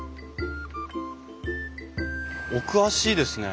お詳しいですね。